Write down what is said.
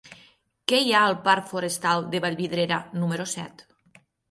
Què hi ha a la parc Forestal de Vallvidrera número set?